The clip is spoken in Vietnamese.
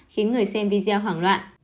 khiến người xem video hoảng loạn